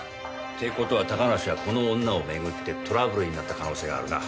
って事は高梨はこの女をめぐってトラブルになった可能性があるな。